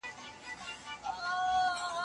اقتصادي وده د ټولو خلګو په خیر ده.